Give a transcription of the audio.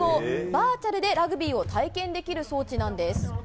バーチャルでラグビーを体験できる装置なんです。